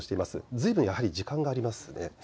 ずいぶん時間がありますね。